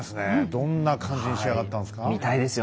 どんな感じに仕上がったんですか？